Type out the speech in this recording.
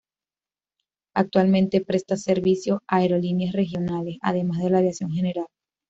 Actualmente presta servicio aerolíneas regionales, además de la aviación general.